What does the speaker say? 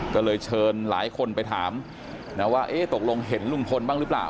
ก็เลยเชิญหลายคนไปถามนะว่าเอ๊ะตกลงเห็นลุงพลบ้างหรือเปล่า